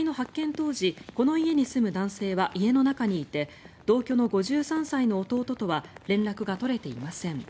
当時この家に住む男性は家の中にいて同居の５３歳の弟とは連絡が取れていません。